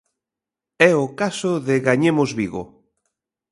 É o caso de Gañemos Vigo.